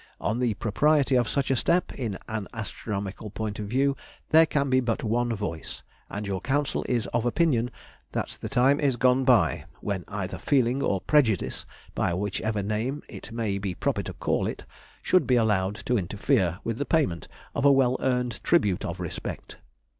On the propriety of such a step, in an astronomical point of view, there can be but one voice; and your Council is of opinion that the time is gone by when either feeling or prejudice, by whichever name it may be proper to call it, should be allowed to interfere with the payment of a well earned tribute of respect.